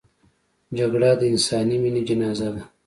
جګړه د انساني مینې جنازه ده